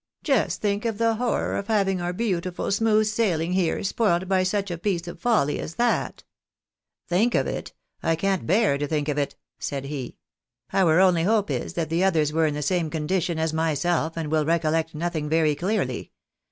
" Just think of the horror of having 202 THE BAKNABYS IN AMERICA. our beautiful smooth sailing here spoilt by such a piece of foUy as that !"" Think of it ? I can't bear to think of it," said he. " Our only hope is that the others were in the same condition as myself, and will recollect nothing very clearly.